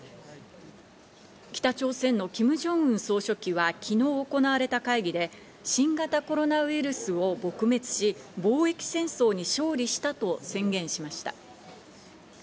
北朝鮮のキム・ジョンウン総書記は昨日行われた会議で、新型コロナウイルスを撲滅し、防疫戦争に勝利したと宣言しました。